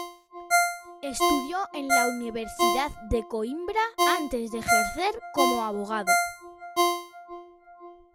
Estudió en la Universidad de Coímbra antes de ejercer como abogado.